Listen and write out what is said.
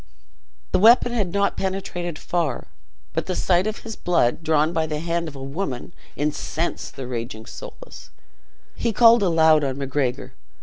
The weapon had not penetrated far. But the sight of his blood, drawn by the hand of a woman, incensed the raging Soulis. He called aloud on Macgregor.